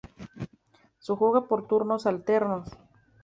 Se juega por turnos alternos.